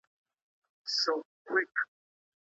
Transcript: که د طبیعي پیښو لپاره زیرمې موجودي وي، نو خلګ نه وږي کیږي.